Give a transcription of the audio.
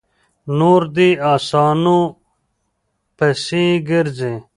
نور دې اسانو پسې ګرځي؛